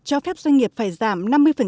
cho phép doanh nghiệp phải giảm năm mươi